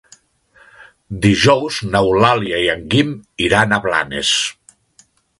Dijous n'Eulàlia i en Guim iran a Blanes.